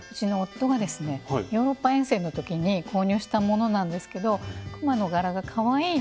ヨーロッパ遠征の時に購入したものなんですけどクマの柄がかわいいので。